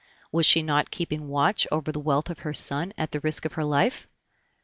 Was she not keeping watch over the wealth of her son at the risk of her life?